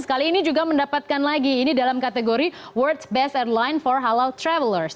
kali ini juga mendapatkan lagi ini dalam kategori world best airline for halal travelers